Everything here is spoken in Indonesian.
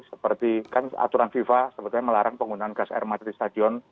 seperti kan aturan fifa sebetulnya melarang penggunaan gas air mata di stadion